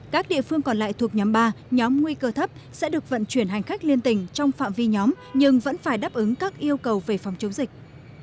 các địa phương còn lại thuộc nhóm ba nhóm nguy cơ thấp sẽ được vận chuyển hành khách liên tỉnh trong phạm vi nhóm nhưng vẫn phải đáp ứng các yêu cầu về phòng chống dịch